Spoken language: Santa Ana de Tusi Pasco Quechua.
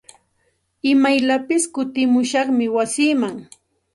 Imayllapis kutimushaqmi wasiiman.